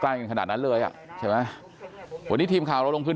ขนาดนั้นเลยอ่ะใช่มะวันนี้ทีมข่าวเราลงไปข้าวนี้นะครับ